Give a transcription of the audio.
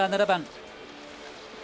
７番